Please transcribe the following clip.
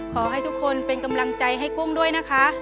ขอให้ทุกคนเป็นกำลังใจให้กุ้งด้วยนะคะ